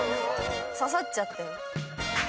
刺さっちゃったよ。